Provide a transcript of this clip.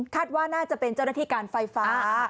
ว่าน่าจะเป็นเจ้าหน้าที่การไฟฟ้า